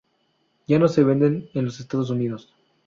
Ya no se vende en los Estados Unidos.